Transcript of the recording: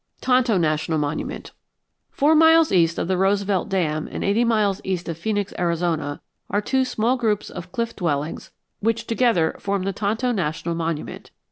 TONTO NATIONAL MONUMENT Four miles east of the Roosevelt Dam and eighty miles east of Phoenix, Arizona, are two small groups of cliff dwellings which together form the Tonto National Monument.